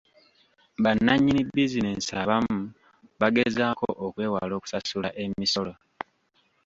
Bannanyini bizinensi abamu bagezaako okwewala okusasula emisolo.